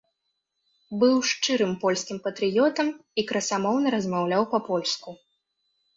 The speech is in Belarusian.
Быў шчырым польскім патрыётам і красамоўна размаўляў па-польку.